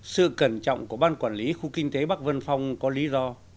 sự cẩn trọng của ban quản lý khu kinh tế bắc vân phong có lý do